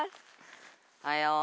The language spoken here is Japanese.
おはよう。